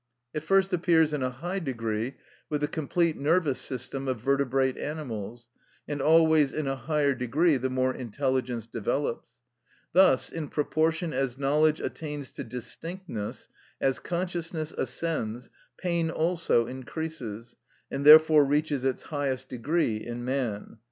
It first appears in a high degree with the complete nervous system of vertebrate animals, and always in a higher degree the more intelligence develops. Thus, in proportion as knowledge attains to distinctness, as consciousness ascends, pain also increases, and therefore reaches its highest degree in man.